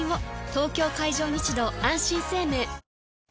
東京海上日動あんしん生命